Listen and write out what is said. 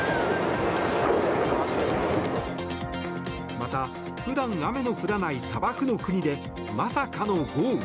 また普段雨の降らない砂漠の国でまさかの豪雨。